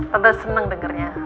tante seneng dengernya